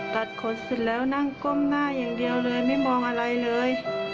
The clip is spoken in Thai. ตัดขนเสร็จแล้วนั่งก้มหน้าอย่างเดียวเลยไม่มองอะไรเลย